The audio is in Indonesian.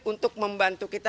untuk membantu kita